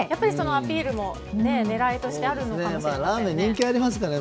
アピールも狙いとしてあるのかもしれませんね。